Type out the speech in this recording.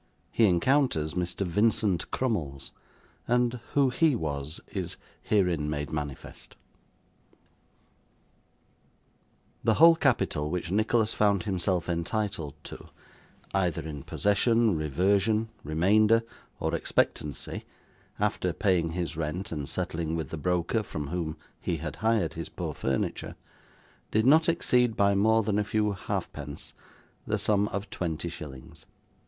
He encounters Mr. Vincent Crummles; and who he was, is herein made manifest The whole capital which Nicholas found himself entitled to, either in possession, reversion, remainder, or expectancy, after paying his rent and settling with the broker from whom he had hired his poor furniture, did not exceed, by more than a few halfpence, the sum of twenty shillings.